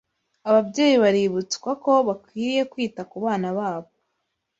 Ababyeyi baributwsa ko bakwiye kwita kubana babo